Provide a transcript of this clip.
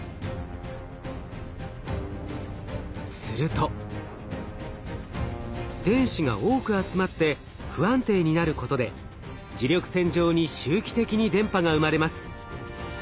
すると電子が多く集まって不安定になることで磁力線上に周期的に電波が生まれます。